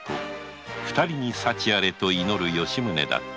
二人に幸せあれと祈る吉宗だった